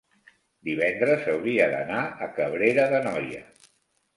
divendres hauria d'anar a Cabrera d'Anoia.